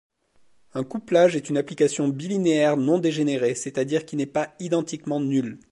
Un couplage est une application bilinéaire non dégénérée, c'est-à-dire qui n'est pas identiquement nulle.